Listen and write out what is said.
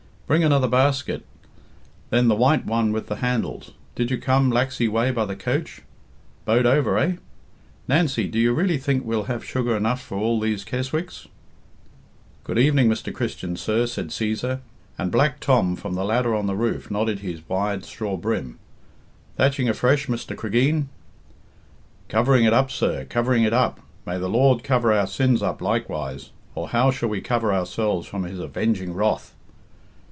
Bring another basket, then; the white one with the handles. Did you come Laxey way by the coach? Bode over, eh? Nancy, do you really think we'll have sugar enough for all these Keswicks?" "Good evenin', Mr. Christian, sir," said Cæsar. And Black Tom, from the ladder on the roof, nodded his wide straw brim. "Thatching afresh, Mr. Cregeen?" "Covering it up, sir; covering it up. May the Lord cover our sins up likewise, or how shall we cover ourselves from His avenging wrath?"